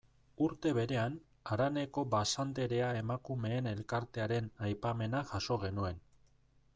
Urte berean, haraneko Basanderea emakumeen elkartearen aipamena jaso genuen.